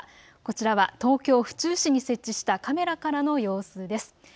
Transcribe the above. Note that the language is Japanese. こちらは東京府中市に設置したカメラからの様子です。